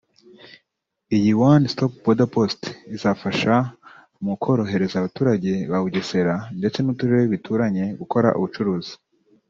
Iyi One Stop Border post izafasha mu korohereza abaturage ba Bugesera ndetse n’Uturere bituranye gukora ubucuruzi